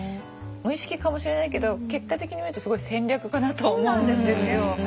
無意識かもしれないけど結果的に見るとすごい戦略家だと思うんですよ。